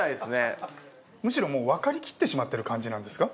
むしろわかりきってしまってる感じなんですか？